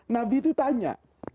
nabi itu tanya